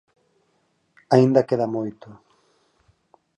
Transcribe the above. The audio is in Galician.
Aínda queda moito.